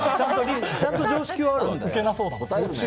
ちゃんと常識はあるのね。